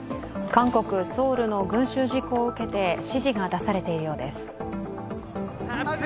韓国ソウルの群集事故を受けて指示が出されているようです。